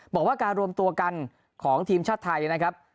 บอกว่าการรวมตัวกันของทีมชาติไทยนะครับ